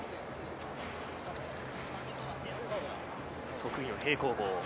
得意の平行棒。